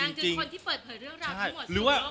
นางเจอคนที่เปิดเผยเรื่องราวทั้งหมดทั้งหมด